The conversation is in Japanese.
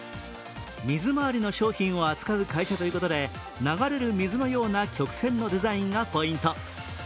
水回りの商品を扱う会社ということで流れる水のような曲線のデザインがポイント。